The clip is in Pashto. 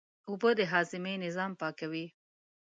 اوبه د هاضمې نظام پاکوي